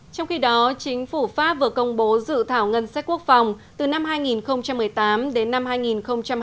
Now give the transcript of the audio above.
trong khi đó chính phủ pháp vừa công bố dự thảo ngân sách quốc phòng